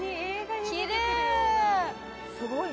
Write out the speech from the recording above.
きれい！